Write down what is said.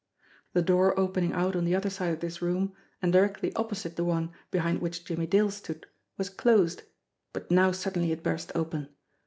The door opening out on the other side of this room and directly opposite the one behind which Jimmie Dale stood was closed, but now suddenly it burst open.